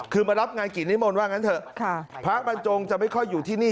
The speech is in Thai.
คือมารับงานกิจนิมนต์ว่างั้นเถอะพระบรรจงจะไม่ค่อยอยู่ที่นี่